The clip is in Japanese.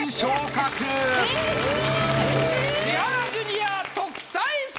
千原ジュニア特待生！